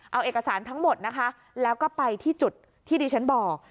เอาเอกสารทั้งหมดนะคะแล้วก็ไปที่จุดที่ดิฉันบอก